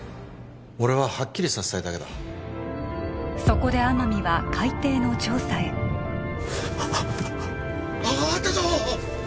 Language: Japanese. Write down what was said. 俺ははっきりさせたいだけだそこで天海は海底の調査へあああったぞ！